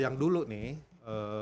yang dulu nih